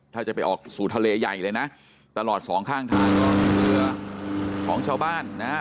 ถ้าจะไปออกสู่ทะเลใหญ่เลยนะตลอดสองข้างทางเรือของชาวบ้านนะฮะ